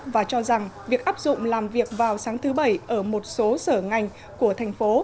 và cho rằng việc áp dụng làm việc vào sáng thứ bảy ở một số sở ngành của thành phố